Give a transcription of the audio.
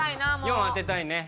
４当てたいね。